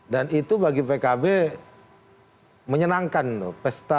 dan itu bagi pkb menyenangkan loh pesta dua ribu dua puluh empat